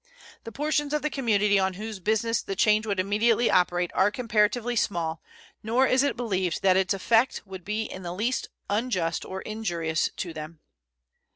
The portions of the community on whose business the change would immediately operate are comparatively small, nor is it believed that its effect would be in the least unjust or injurious to them.